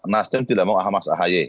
nasdem tidak mau ahamah sahaya